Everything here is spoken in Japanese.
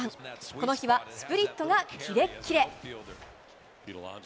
この日は、スプリットがキレッキレ。